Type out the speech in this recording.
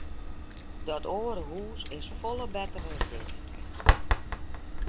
Dat oare hús is folle better as dit.